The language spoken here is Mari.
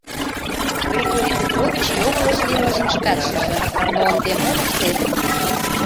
Григорий Петрович йоҥылыш лиймыжым шкат шижын, но ынде мом ыштет?